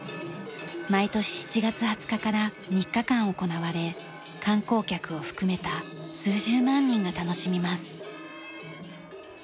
毎年７月２０日から３日間行われ観光客を含めた数十万人が楽しみます。